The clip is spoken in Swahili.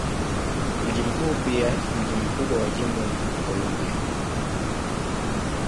Mji mkuu pia mji mkubwa wa jimbo ni Columbia.